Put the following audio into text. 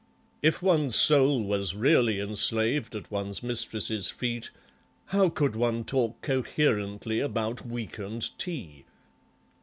If one's soul was really enslaved at one's mistress's feet how could one talk coherently about weakened tea?